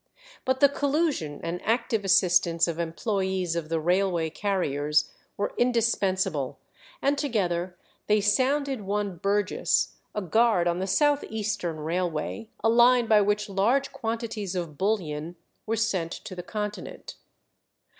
But the collusion and active assistance of employés of the railway carriers were indispensable, and together they sounded one Burgess, a guard on the South Eastern Railway, a line by which large quantities of bullion were sent to the Continent.